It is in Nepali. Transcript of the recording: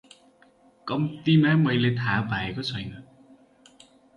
कम्तीमा मैले थाहा पाएको छैन ।